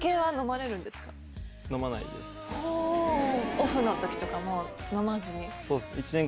オフの時とかも飲まずに？